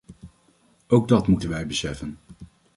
Ook dat moeten wij beseffen.